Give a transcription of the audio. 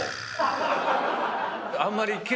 あんまり。